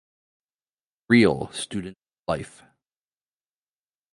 Real student life.